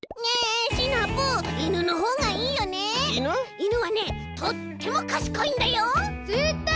いぬはねとってもかしこいんだよ。